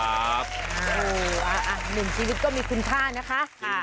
อ้าวหนึ่งชีวิตก็มีคุณภาคนะคะ